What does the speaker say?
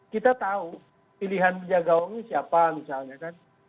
kita tahu pilihan penjaga gawangnya siapa misalnya kan